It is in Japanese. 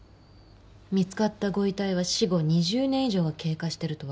見つかったご遺体は死後２０年以上が経過していると分かったの。